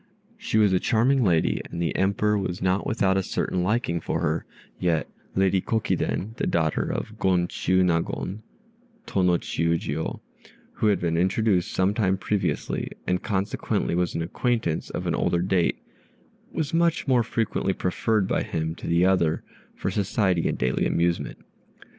She was a charming lady, and the Emperor was not without a certain liking for her; yet Lady Kokiden, the daughter of Gon Chiûnagon (Tô no Chiûjiô), who had been introduced some time previously, and consequently was an acquaintance of an older date, was much more frequently preferred by him to the other for society in daily amusement.